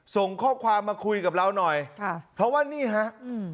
ส่งข้อความมาคุยกับเราหน่อยค่ะเพราะว่านี่ฮะอืม